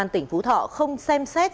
tỉnh phú thọ không xem xét